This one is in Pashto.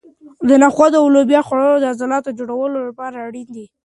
د نخودو او لوبیا خوړل د عضلاتو د جوړولو لپاره اړین دي.